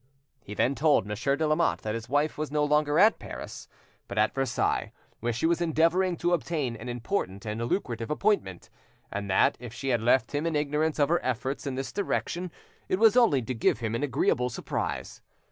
He then told Monsieur de Lamotte that his wife was no longer at Paris, but at Versailles, where she was endeavouring to obtain an important and lucrative appointment, and that, if she had left him in ignorance of her efforts in this direction; it was only to give him an agreeable surprise.